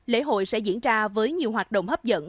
lễ hội sẽ diễn ra với nhiều hoạt động hấp dẫn